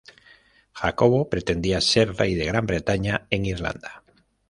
Jacobo pretendía ser rey de Gran Bretaña e Irlanda.